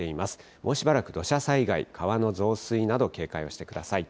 もうしばらく土砂災害、川の増水など、警戒をしてください。